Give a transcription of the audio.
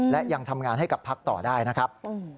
และยังทำงานให้กับพักต่อได้นะครับ